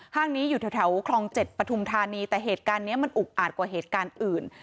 ห้างนี้อยู่แถวกลอง๗ปัทุมธาตุนี้แต่เหตุการณ์เนี่ยมันกว่าเหตุการณ์อื่น